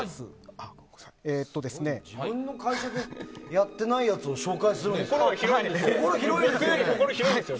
自分の会社でやってないやつを紹介するって心が広いですよね。